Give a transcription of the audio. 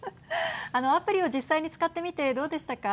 あのアプリを実際に使ってみてどうでしたか。